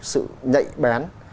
sự nhạy bén